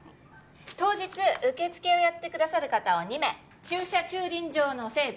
当日受付をやってくださる方を２名駐車・駐輪場の整備